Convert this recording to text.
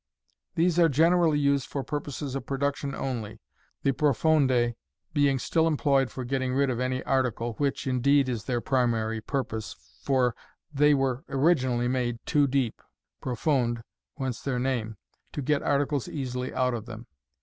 These are generally used for purposes of production only, the profondes being still employed for getting rid ol any article, which, indeed, is their primary purpose, for they were originally made too deep (' proj onde,* whence their name) to get articles easily out of them.